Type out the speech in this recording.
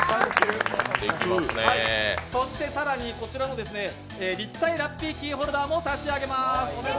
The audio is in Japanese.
更に、こちらの立体ラッピーキーホルダーも差し上げます。